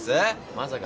まさか。